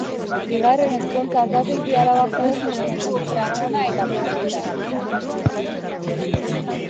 Bigarren ezkontza hartatik bi alaba jaio ziren: Ramona eta Pepita.